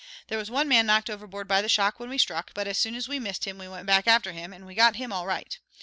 There was one man knocked overboard by the shock when we struck, but as soon as we missed him we went back after him and we got him all right.